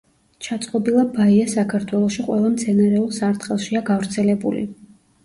ჩაწყობილა ბაია საქართველოში ყველა მცენარეულ სარტყელშია გავრცელებული.